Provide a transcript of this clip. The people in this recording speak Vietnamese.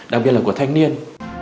đặc biệt là của thanh niên